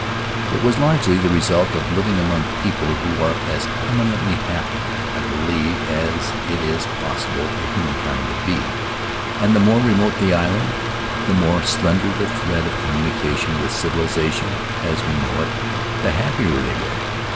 It was largely the result of living among people who are as permanently happy, I believe, as it is possible for humankind to be. And the more remote the island, the more slender the thread of communication with civilization as we know it, the happier they were.